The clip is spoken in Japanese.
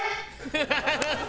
ハハハハ！